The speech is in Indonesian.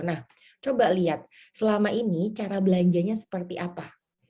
nah coba lihat selama ini cara belanjanya seperti apa